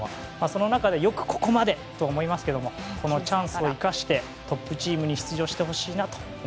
その中で、よくここまでと思いますけどもこのチャンスを生かしてトップチームに出場してほしい。